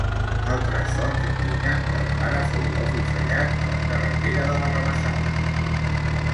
Altres fonts indiquen que el pare fou afusellat a la carretera de la Rabassada.